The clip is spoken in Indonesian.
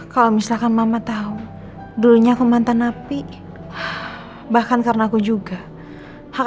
kau misalkan mama tahu dulunya aku mantan api bahkan karena aku juga hak